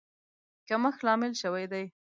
کمښت لامل شوی دی.